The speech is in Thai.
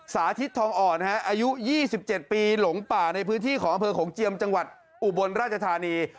สาธิตทองอ่อนอายุ๒๗ปีหลงป่าในพื้นที่ของอำเภอโขงเจียมจังหวัดอุบลราชธานี